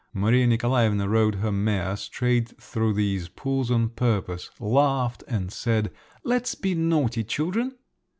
Maria Nikolaevna rode her mare straight through these pools on purpose, laughed, and said, "Let's be naughty children."